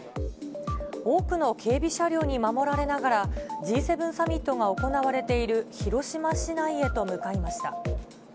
多くの警備車両に守られながら、Ｇ７サミットが行われている広島市内へと向かいました。